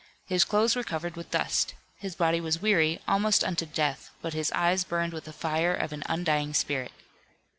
His clothes were covered with dust. His body was weary almost unto death, but his eyes burned with the fire of an undying spirit.